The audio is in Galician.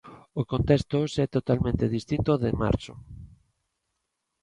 O contexto hoxe é totalmente distinto ao de marzo.